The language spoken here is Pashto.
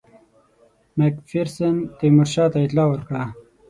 مک فیرسن تیمورشاه ته اطلاع ورکړه.